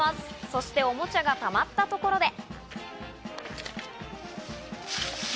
そして、おもちゃがたまったところで。